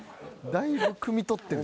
「だいぶくみ取ってる」